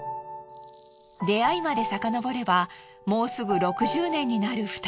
出会いまでさかのぼればもうすぐ６０年になる２人。